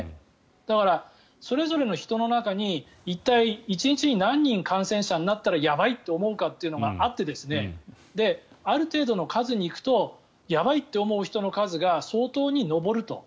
だから、それぞれの人の中に一体１日に何人、感染者になったらやばいって思うかっていうのがあってある程度の数に行くとやばいと思う人の数が相当に上ると。